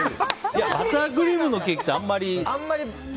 バタークリームのケーキってあんまり。